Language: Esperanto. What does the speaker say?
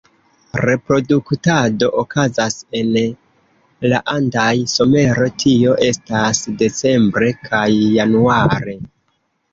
Reproduktado okazas en la andaj somero, tio estas decembre kaj januare.